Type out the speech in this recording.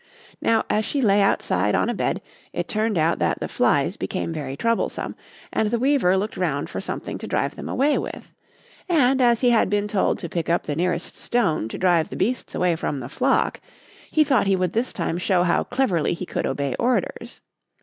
Now as she lay outside on a bed, it turned out that the flies became very troublesome, and the weaver looked round for something to drive them away with; and as he had been told to pick up the nearest stone to drive the beasts away from the flock, he thought he would this time show how cleverly he could obey orders.